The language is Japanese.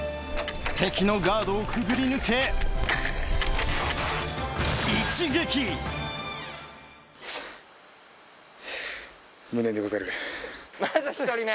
敵のガードをくぐり抜けまず１人目。